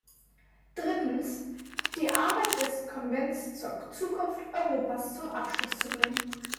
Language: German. Drittens, die Arbeit des Konvents zur Zukunft Europas zum Abschluss zu bringen.